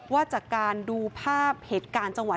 ว่าจากการดูภาพเหตุการณ์จังหวัด